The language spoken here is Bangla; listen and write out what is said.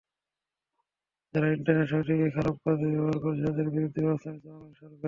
যারা ইন্টারনেট শক্তিকে খারাপ কাজে ব্যবহার করছে, তাদের বিরুদ্ধে ব্যবস্থা নিচ্ছে বাংলাদেশ সরকার।